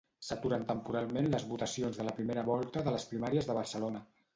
S'aturen temporalment les votacions de la primera volta de les primàries de Barcelona.